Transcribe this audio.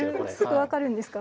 すぐ分かるんですか？